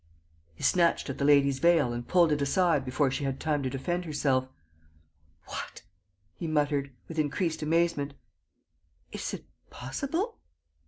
He snatched at the lady's veil and pulled it aside before she had time to defend herself: "What!" he muttered, with increased amazement. "Is it possible?"